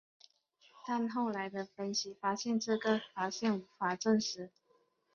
但后来的分析发现这个发现无法证实。